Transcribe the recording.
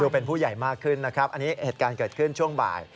เป็นผู้ใหญ่มากขึ้นนะครับอันนี้เหตุการณ์เกิดขึ้นช่วงบ่าย